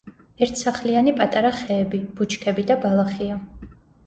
ერთსახლიანი პატარა ხეები, ბუჩქები და ბალახია.